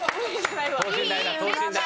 等身大だ等身大。